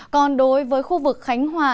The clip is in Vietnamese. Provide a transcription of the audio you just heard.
còn đối với khu vực khánh hòa